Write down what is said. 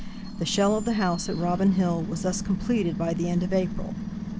The shell of the house at Robin Hill was thus completed by the end of April.